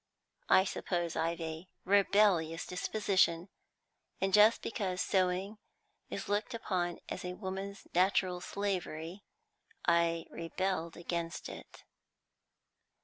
I suppose I've a rebellious disposition, and just because sewing is looked upon as a woman's natural slavery, I rebelled against it.